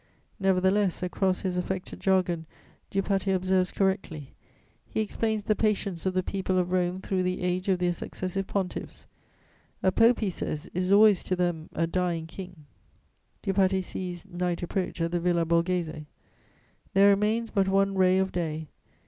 Nevertheless, across his affected jargon, Dupaty observes correctly; he explains the patience of the people of Rome through the age of their successive pontiffs: "A pope," he says, "is always to them a dying king." Dupaty sees night approach at the Villa Borghese: "There remains but one ray of day...